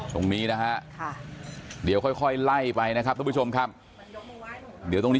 ตรงนี้นะฮะค่ะเดี๋ยวค่อยไล่ไปนะครับทุกผู้ชมครับเดี๋ยวตรงนี้